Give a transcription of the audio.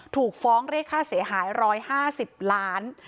ถูกฟ้องเรียกค่าเสียหาย๑๕๐ล้าน